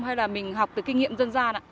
hay là mình học từ kinh nghiệm dân gian ạ